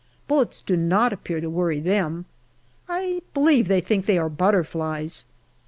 Bullets do not appear to worry them. I believe they think that they are butterflies.